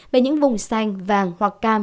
về những vùng xanh vàng hoặc cam